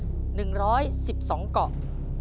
ตัวเลือกที่สอง๑๑๒เกาะ